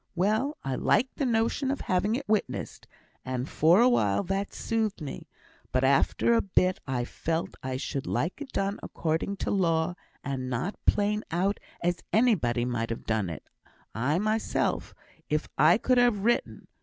Well! I liked the notion of having it witnessed, and for a while that soothed me; but after a bit, I felt I should like it done according to law, and not plain out as anybody might ha' done it; I mysel', if I could have written.